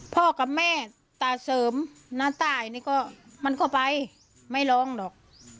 พ่อกับแม่ตาเสริมน้าตายนี่ก็มันก็ไปไม่ร้องหรอก